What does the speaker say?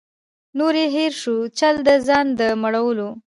نور یې هېر سو چل د ځان د مړولو